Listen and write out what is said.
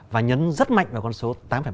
và nhấn rất mạnh vào con số tám ba mươi sáu